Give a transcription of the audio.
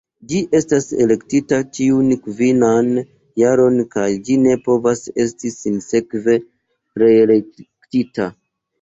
Ĝi estas elektita ĉiun kvinan jaron kaj ĝi ne povas esti sinsekve reelektita.